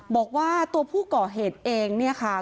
บอกว่าตัวผู้ก่อเหตุเองเนี่ยค่ะ